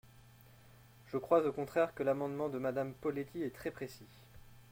Je crois au contraire que l’amendement de Madame Poletti est très précis.